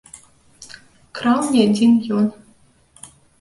Краў не адзін ён.